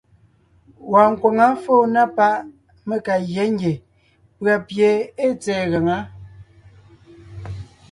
Wɔɔn nkwaŋá fóo na páʼ mé ka gyá ngie pʉ̀a pie ée tsɛ̀ɛ gaŋá.